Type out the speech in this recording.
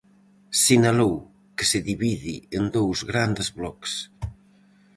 Sinalou que se divide en dous grandes bloques.